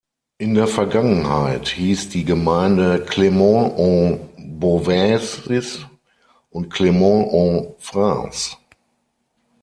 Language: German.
In der Vergangenheit hieß die Gemeinde Clermont-en-Bauvaisis und Clermont-en-France.